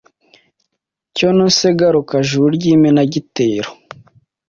Cyono se garuka, juru ry’Imenagitero